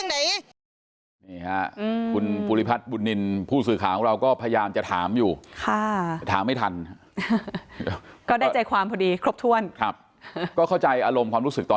นี่ค่ะคุณบุริพัฒน์บุตนินผู้สื่อขาของเราก็พยายามจะถามอยู่